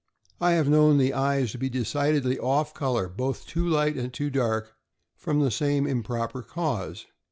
I have known the eyes to be decidedly off color, both too light and too dark, from the same improper cause.